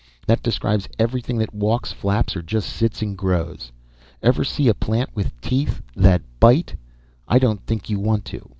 That describes everything that walks, flaps or just sits and grows. Ever see a plant with teeth that bite? I don't think you want to.